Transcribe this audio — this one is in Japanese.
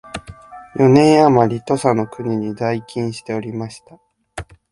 四年あまり土佐の国に在勤しておりました